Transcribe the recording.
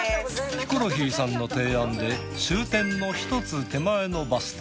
ヒコロヒーさんの提案で終点の１つ手前のバス停